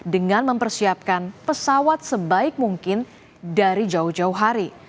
dengan mempersiapkan pesawat sebaik mungkin dari jauh jauh hari